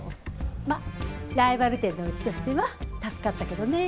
まっライバル店のうちとしては助かったけどね。